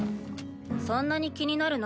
そんなに気になるの？